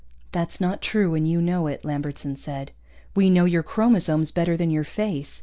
"That's not true, and you know it," Lambertson said. "We know your chromosomes better than your face.